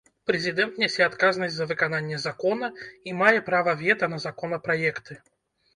Прэзідэнт нясе адказнасць за выкананне закона, і мае права вета на законапраекты.